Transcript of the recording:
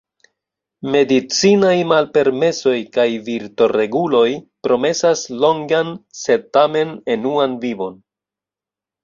Medicinaj malpermesoj kaj virtoreguloj promesas longan sed tamen enuan vivon.